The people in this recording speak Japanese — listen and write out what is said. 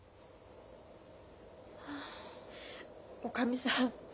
おかみさん